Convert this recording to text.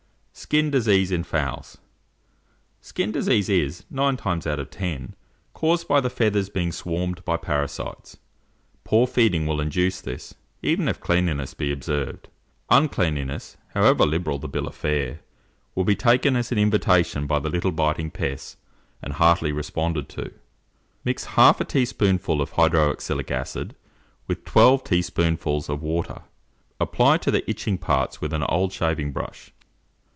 SKIN DISEASE IN FOWLS. Skin disease is, nine times out of ten, caused by the feathers being swarmed by parasites. Poor feeding will induce this, even if cleanliness be observed; uncleanliness, however liberal the bill of fare, will be taken as an invitation by the little biting pests, and heartily responded to. Mix half a teaspoonful of hydro oxalic acid with twelve teaspoonfuls of water, apply to the itching parts with an old shaving brush.